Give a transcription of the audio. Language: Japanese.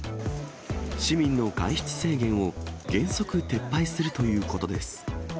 市民の外出制限を原則撤廃するということです。